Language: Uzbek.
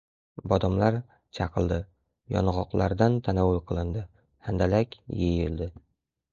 Bodomlar chaqildi, yong‘oqlardan tanovul qilindi, handalak yeyildi...